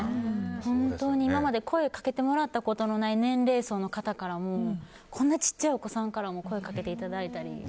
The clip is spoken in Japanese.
本当に今まで声をかけてもらったことのない年齢層の方からもこんな小さいお子さんからも声をかけていただいたり。